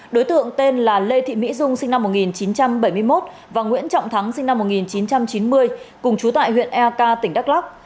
đối tượng tên là lê thị mỹ dung sinh năm một nghìn chín trăm bảy mươi một và nguyễn trọng thắng sinh năm một nghìn chín trăm chín mươi cùng chú tại huyện eak tỉnh đắk lắc